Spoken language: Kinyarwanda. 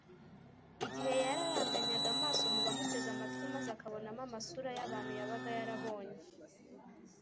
igihe yararanganyaga amaso mu bamuteze amatwi maze akabonamo amasura y’abantu yabaga yarabonye